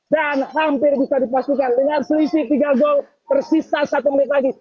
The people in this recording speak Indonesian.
dan hampir bisa dipastikan dengan selisih tiga gol tersisa satu menit lagi